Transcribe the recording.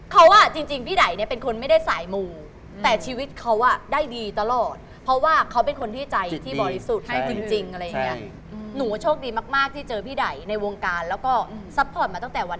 ใครบอกที่นี่ดีเราก็จะไปตลอดเมื่อก่อน